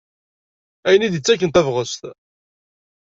Ayen i d-ittaken tabɣest.